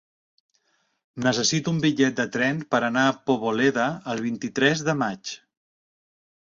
Necessito un bitllet de tren per anar a Poboleda el vint-i-tres de maig.